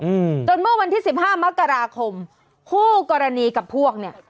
อืมจนเมื่อวันที่สิบห้ามกราคมคู่กรณีกับพวกเนี้ย